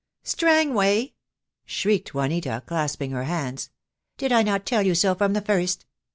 "Strangway!" shrieked Juanita, clasping her hands. "Did I not tell you so from the first?